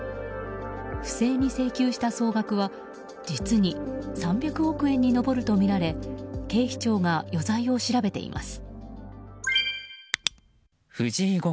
不正に請求した総額は実に３００億円に上るとみられ警視庁が余罪を調べています。